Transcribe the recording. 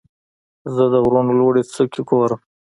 زه د غرونو لوړې څوکې ګورم.